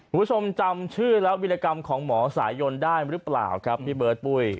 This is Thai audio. คุณผู้ชมจำชื่อและวิรกรรมของหมอสายยนได้หรือเปล่าครับพี่เบิร์ตปุ้ย